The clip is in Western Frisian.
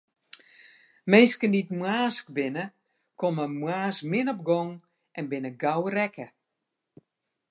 Minsken dy't moarnsk binne, komme moarns min op gong en binne gau rekke.